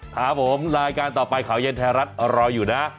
ครับผมรายการต่อไปข่าวเย็นไทยรัฐรออยู่นะ